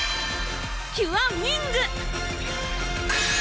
キュアウィング！